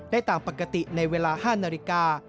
ได้ตามปกติในเวลา๕นาฬิกา